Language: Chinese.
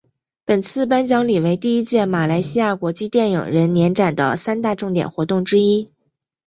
本次颁奖礼为第一届马来西亚国际电影人年展的三大重点活动之一。